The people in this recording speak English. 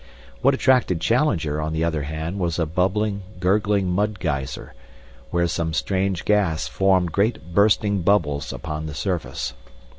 What attracted Challenger, on the other hand, was a bubbling, gurgling mud geyser, where some strange gas formed great bursting bubbles upon the surface.